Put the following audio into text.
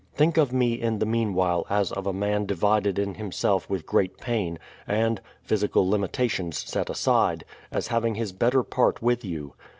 Think of me in the meanwhile as of a man divided in himself with great pain, and (physical limitations set aside) as having his better part with you.